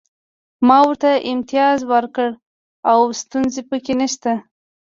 ما ورته امتیاز ورکړی او ستونزه پکې نشته